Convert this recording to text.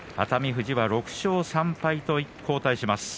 富士は６勝３敗と後退します。